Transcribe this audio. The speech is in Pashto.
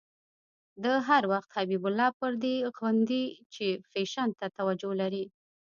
ده هر وخت حبیب الله په دې غندی چې فېشن ته توجه لري.